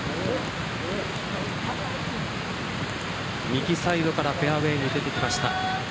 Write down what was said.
右サイドからフェアウェイ抜けてきました。